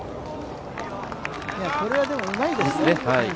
これはでもうまいですね。